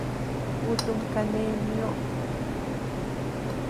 Kutum kane nioo.